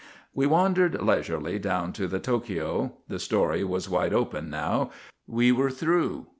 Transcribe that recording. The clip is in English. We wandered leisurely down to the Tokio. The story was wide open now. We were through.